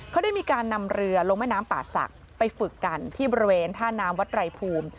เขาได้มีการนำเรือลงแม่น้ำป่าศักดิ์ไปฝึกกันที่บริเวณท่าน้ำวัดไรภูมิ